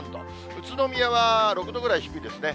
宇都宮は６度ぐらい低いですね。